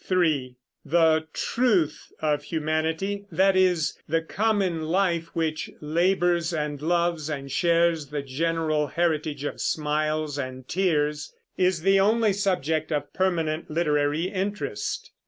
(3) The truth of humanity, that is, the common life which labors and loves and shares the general heritage of smiles and tears, is the only subject of permanent literary interest.